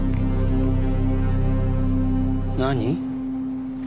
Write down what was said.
何？